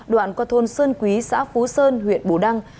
đoạn qua thôn sơn quý xã phú sơn huyện bù đăng